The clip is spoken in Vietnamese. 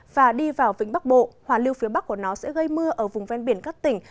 và đi vào vĩnh bắc bộ hoàn lưu phía bắc của nó sẽ gây mưa ở vùng ven biển các tỉnh